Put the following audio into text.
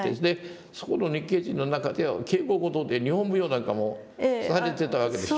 そこの日系人の中では稽古事で日本舞踊なんかもされてたわけでしょ？